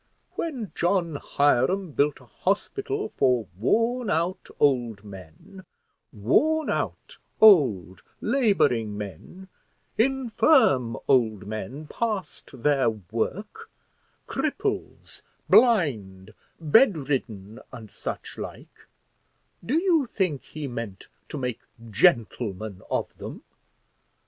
When John Hiram built a hospital for worn out old men, worn out old labouring men, infirm old men past their work, cripples, blind, bed ridden, and such like, do you think he meant to make gentlemen of them?